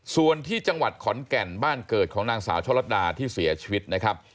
ส่วนที่จังหวัดขอนแก่นบ้านเกิดของนางสาวช่อลัดดาที่เสียชีวิตนะครับ